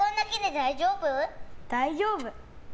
大丈夫！